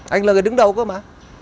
anh là người đứng đầu cơ mà